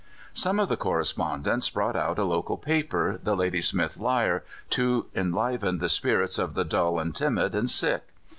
Some of the correspondents brought out a local paper, the Ladysmith Lyre, to enliven the spirits of the dull and timid and sick.